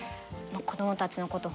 子どもたちのこと